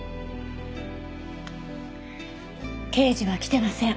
刑事は来てません。